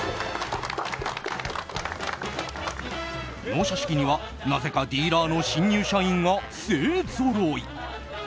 納車式にはなぜかディーラーの新入社員が勢ぞろい。